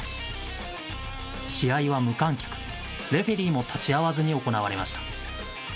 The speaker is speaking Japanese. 試合は無観客、レフェリーも立ち会わずに行われました。